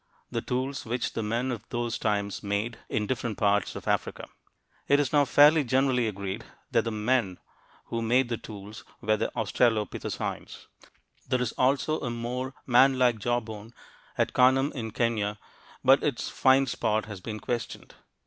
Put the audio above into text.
The tools which the men of those times made, in different parts of Africa. It is now fairly generally agreed that the "men" who made the tools were the australopithecines. There is also a more "man like" jawbone at Kanam in Kenya, but its find spot has been questioned.